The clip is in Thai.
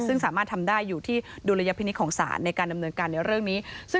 ซึ่งสามารถทำได้อยู่ที่ดุลยพินิษฐ์ของศาลในการดำเนินการในเรื่องนี้